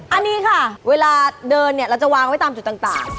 อันนี้ค่ะเวลาเดินเนี่ยเราจะวางไว้ตามจุดต่าง